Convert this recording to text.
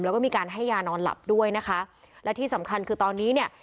แล้วก็มีการให้ยานอนหลับด้วยนะคะและที่สำคัญคือตอนนี้เนี่ย